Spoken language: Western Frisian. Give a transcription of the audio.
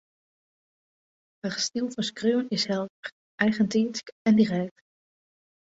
Har styl fan skriuwen is helder, eigentiidsk en direkt